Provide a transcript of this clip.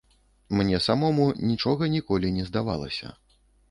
Мне самому нічога ніколі не здавалася.